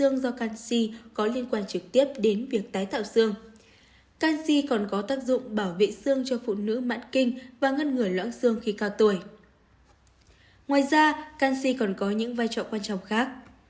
ngoài ra canxi còn có những vai trò quan trọng khác